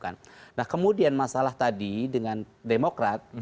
nah kemudian masalah tadi dengan demokrat